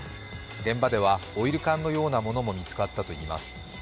現場ではオイル缶のようなものも見つかったといいます。